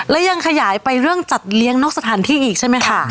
และยังขยายไปเรื่องจัดเลี้ยงนอกสถานที่อีกใช่ไหมคะ